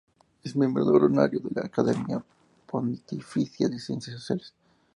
Es miembro honorario de la Academia Pontificia de Ciencias Sociales.